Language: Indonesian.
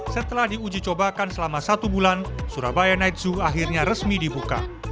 setelah diuji cobakan selama satu bulan surabaya night zoo akhirnya resmi dibuka